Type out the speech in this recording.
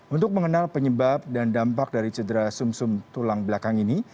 untuk mengenal penyebab dan dampak dari cedera sum sum tulang belakang ini